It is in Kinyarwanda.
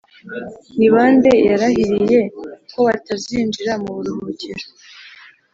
Ni bande yarahiriye ko batazinjira mu buruhukiro